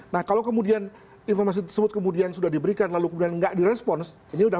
nah kalau kemudian informasi tersebut sudah diberikan lalu kemudian nggak di response